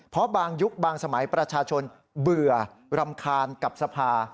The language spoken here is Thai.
เพราะบางยุคบางสมัยประชาชนเบื่อรำคาญกับสภา